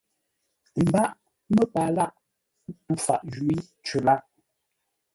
Ə́ mbáʼ məpaa lâʼ tû faʼ jwǐ cər lâʼ.